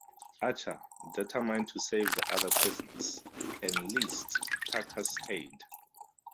Archer, determined to save the other prisoners, enlists Tucker's aid.